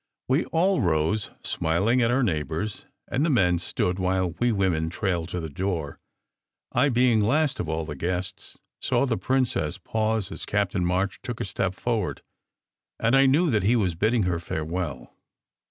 We all rose, smiling at our neighbours, and the men stood while we women trailed to the door. I, being last of all the guests, saw the princess pause as Cap tain March took a step forward; and I knew that he was bidding her farewell.